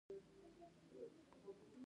افغانستان د وادي لپاره مشهور دی.